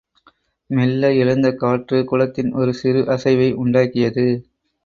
மெல்ல எழுந்த காற்று, குளத்தின் ஒரு சிறு அசைவை உண்டாக்கியது.